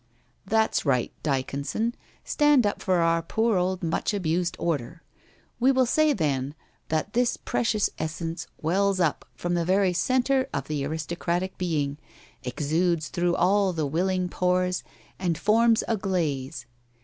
' That's right, Dyconson, stand up for our poor old much abused order. We will say, then, that this precious essence wells up, from the very centre of the aris tocratic being, exudes through all the willing pores and forms a glaze.